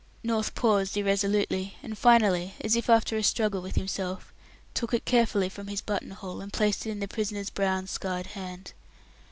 North paused irresolutely, and finally, as if after a struggle with himself, took it carefully from his button hole, and placed it in the prisoner's brown, scarred hand.